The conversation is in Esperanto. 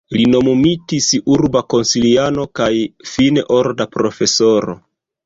Li nomumitis urba konsiliano kaj fine orda profesoro.